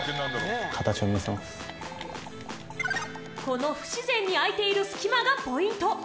この不自然に空いている隙間がポイント